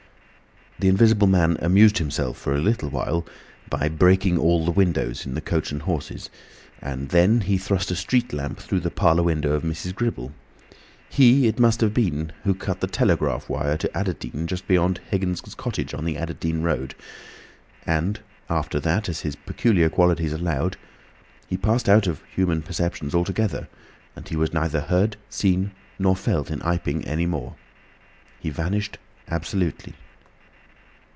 The Invisible Man amused himself for a little while by breaking all the windows in the "Coach and Horses," and then he thrust a street lamp through the parlour window of Mrs. Gribble. He it must have been who cut the telegraph wire to Adderdean just beyond Higgins' cottage on the Adderdean road. And after that, as his peculiar qualities allowed, he passed out of human perceptions altogether, and he was neither heard, seen, nor felt in Iping any more. He vanished absolutely.